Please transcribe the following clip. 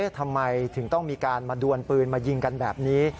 ทำไมถึงต้องมีการมาดวนปืนมายิงกันแบบนี้